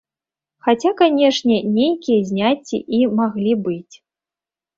Хаця, канечне, нейкія зняцці і маглі быць.